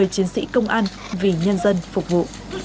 chiến sĩ công an vì nhân dân phục vụ